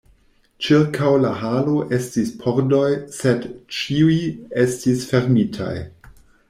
Ĉirkaŭ la halo estis pordoj; sed ĉiuj estis fermitaj.